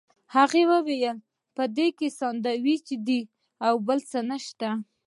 هغه وویل په دې کې ساندوېچ دي او بل څه نشته.